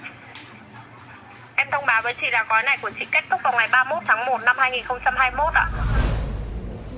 em thông báo với chị là gói này của chị kết thúc vào ngày ba mươi một tháng một năm hai nghìn hai mươi một ạ